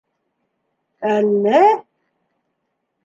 Әллә!